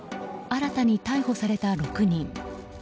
新たに逮捕された６人。